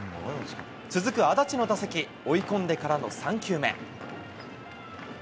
続く安達の打席、追い込んでからの３球目。